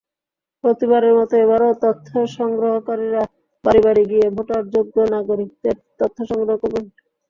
প্রতিবারের মতো এবারও তথ্যসংগ্রহকারীরা বাড়ি বাড়ি গিয়ে ভোটারযোগ্য নাগরিকদের তথ্য সংগ্রহ করবেন।